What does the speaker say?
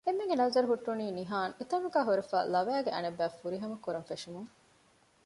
އެންމެންގެ ނަޒަރު ހުއްޓުނީ ނިހާން އެތަނުގައި ހުރެފައި ލަވައިގެ އަނެއްބައި ފުރިހަމަ ކުރަން ފެށުމުން